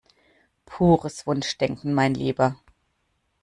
Pures Wunschdenken, mein Lieber!